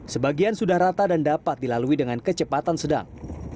sebagian sudah rata dan dapat dilalui dengan kecepatan sedang